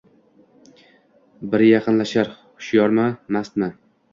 Biri yaqinlashar: “Hushyormi, mastmi?!”